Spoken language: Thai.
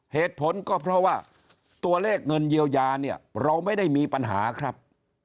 เหตุผลก็เพราะว่าตัวเลขเงินเยียวยาเนี่ยเราไม่ได้มีปัญหาครับ